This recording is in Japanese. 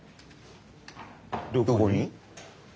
どこに？